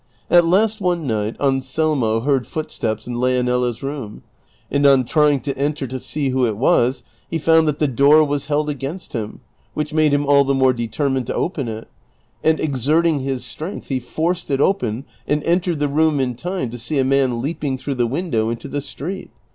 At last one night Anselmo heard footsteps in Leonela's room, and on trying to enter to see who it was, he found that the door was held against him, which made him all the more determined to open it; and exerting his strength he forced it open, and entered the room in time to see a man leaping through the window into the street.